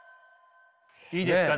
いいですか？